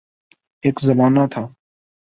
ایک زمانہ تھا